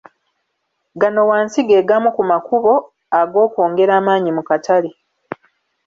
Gano wansi ge gamu ku makubo agokwongera amaanyi mu katale.